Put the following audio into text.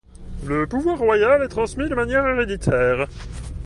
Le pouvoir royal est transmis de manière héréditaire.